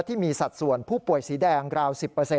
สัดส่วนผู้ป่วยสีแดงราว๑๐